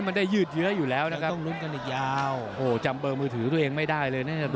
หาเปเลยหาเปเลยนะครับ